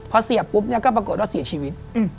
พอเสียบปุ๊บเนี่ยก็ปรากฏว่าเสียชีวิต